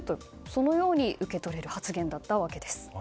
そのように受け取れる発言だったわけです。